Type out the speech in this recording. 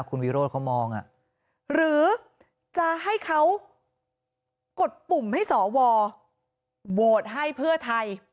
คุณวิโรธเขามองหรือจะให้เขากดปุ่มให้สวโหวตให้เพื่อไทย